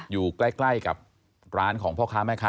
อยู่ใกล้กับร้านของพ่อค้าแม่ค้า